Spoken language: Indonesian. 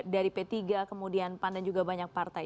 dari p tiga kemudian pan dan juga banyak partai